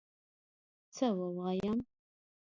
څه ووایم؟!